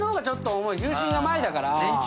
重心が前だから。